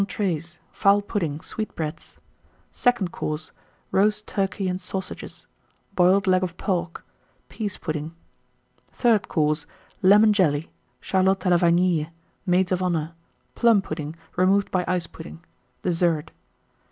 ENTREES. Fowl Pudding. Sweetbreads. SECOND COURSE. Roast Turkey and Sausages. Boiled Leg of Pork. Pease Pudding. THIRD COURSE. Lemon Jelly. Charlotte à la Vanille. Maids of Honour. Plum pudding, removed by Ice Pudding. DESSERT.